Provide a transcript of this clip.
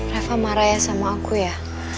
rafa marah ya sama aku ya